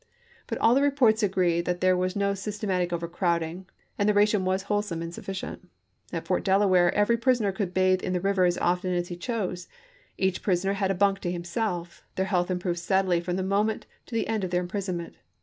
But all the reports agree that there was no systematic overcrowding, and the ration was Report of wholesome and sufficient. At Fort Delaware every Sc1oirary prisoner could bathe in the river as often as he mp8Si9.n' chose ; each prisoner had a bunk to himself ; their health improved steadily from the beginning to the end of their imprisonment.